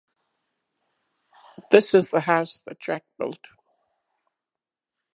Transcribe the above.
Local industries include agriculture, fisheries, and livestock.